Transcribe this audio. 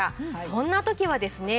そんな時はですね